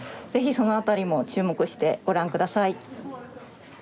ぜひ、その辺りも注目してご覧ください。